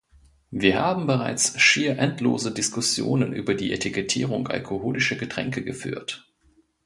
Wir haben bereits schier endlose Diskussionen über die Etikettierung alkoholischer Getränke geführt.